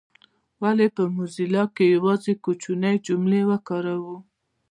ولي په موزیلا کي یوازي کوچنۍ جملې کاروو؟